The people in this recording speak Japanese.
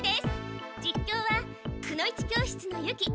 実況はくの一教室のユキ。